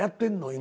今。